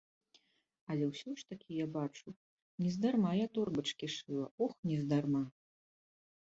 Але ўсё ж такі, як бачу, нездарма я торбачкі шыла, ох, нездарма!